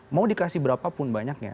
mau dikasih berapa pun banyaknya